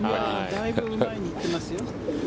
だいぶ前に行っていますよ。